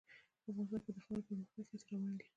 افغانستان کې د خاوره د پرمختګ هڅې روانې دي.